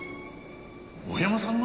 大山さんが！？